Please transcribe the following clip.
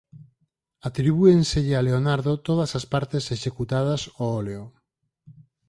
Atribúenselle a Leonardo todas as partes executadas ó óleo.